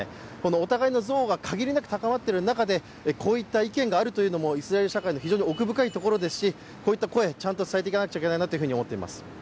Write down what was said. お互いの増悪が限りなく高まっている中で、こういった意見があるというのもイスラエル社会の非常に奥深いところですし、こういった声をちゃんと伝えていかなくちゃいけないなと思っています。